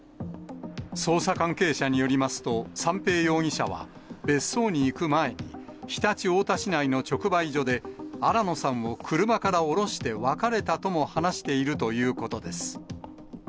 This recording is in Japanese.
捜査関係者によりますと、三瓶容疑者は、別荘に行く前、常陸太田市内の直売所で、新野さんを車から降ろして別れたとも話しているということです。